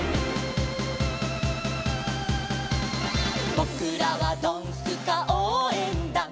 「ぼくらはドンスカおうえんだん」